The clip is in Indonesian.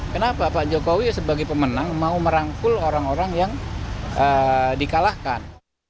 kenapa pak jokowi sebagai pemenang mau merangkul orang orang yang dikalahkan